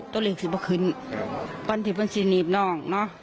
ตัวเหล็กสิบก็ขึ้นก่อนที่มันจะนีบน้องเนอะ